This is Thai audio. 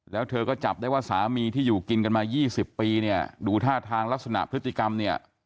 แล้วเธอก็จับได้ว่าสามีที่อยู่กินกันมา๒๐ปีเนี่ยดูท่าทางลักษณะพฤติกรรมเนี่ย